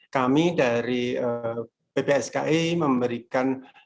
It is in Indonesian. kami dari bpski memberikan